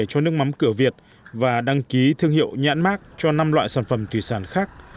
cho nước mắm cửa việt và đăng ký thương hiệu nhãn mát cho năm loại sản phẩm thủy sản khác